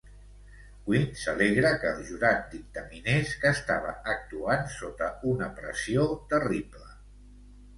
Queen s'alegra que el jurat dictaminés que estava actuant sota una pressió terrible.